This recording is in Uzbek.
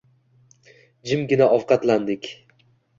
Jimgina ovqatlandik